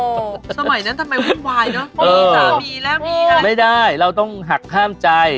คงมีสามีแล้วไม่ได้เราต้องหักห้ามใจ